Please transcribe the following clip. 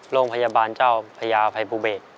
โรงพยาบาลเจ้าพญาภัยภูเบศ